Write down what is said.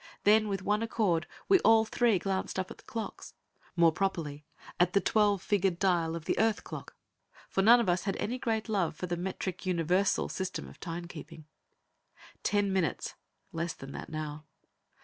Then, with one accord, we all three glanced up at the clocks more properly, at the twelve figured dial of the Earth clock, for none of us had any great love for the metric Universal system of time keeping. Ten minutes.... Less than that, now.